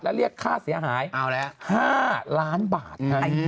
และเรียกค่าเสียหาย๕ล้านบาท